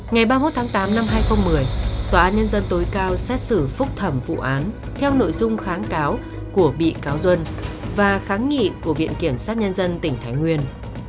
ngày ba mươi một tháng tám năm hai nghìn một mươi tòa án nhân dân tối cao xét xử phúc thẩm vụ án theo nội dung kháng cáo của bị cáo duân và kháng nghị của viện kiểm sát nhân dân tỉnh thái nguyên